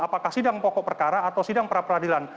apakah sidang pokok perkara atau sidang pra peradilan